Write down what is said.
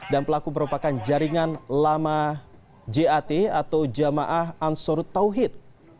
dan pelaku merupakan jaringan lama jat atau jamaah ansur tauhid